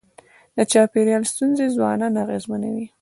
د چاپېریال ستونزي ځوانان اغېزمنوي.